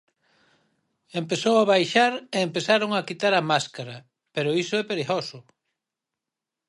Empezou a baixar e empezaron a quitar a máscara, pero iso é perigoso.